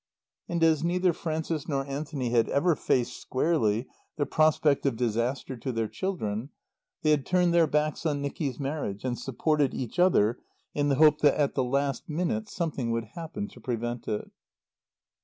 And as neither Frances nor Anthony had ever faced squarely the prospect of disaster to their children, they had turned their backs on Nicky's marriage and supported each other in the hope that at the last minute something would happen to prevent it.